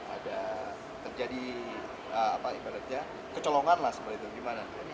ada terjadi kecolongan lah sebenarnya gimana